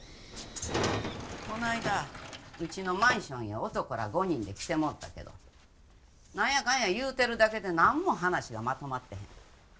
この間うちのマンションへ男ら５人で来てもろうたけど何やかや言うてるだけで何も話がまとまってへん。